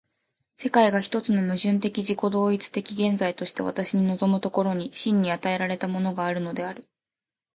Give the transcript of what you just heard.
世界が一つの矛盾的自己同一的現在として私に臨む所に、真に与えられたものがあるのである。